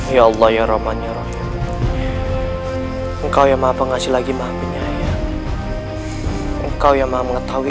ya allah ya rahman ya engkau yang maha pengasih lagi maha penyayang engkau yang maha mengetahui